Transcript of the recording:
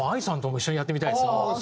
ＡＩさんとも一緒にやってみたいんですよ。